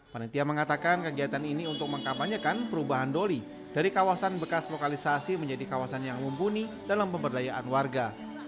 panitia mengatakan kegiatan ini untuk mengkapanyekan perubahan doli dari kawasan bekas lokalisasi menjadi kawasan yang mumpuni dalam pemberdayaan warga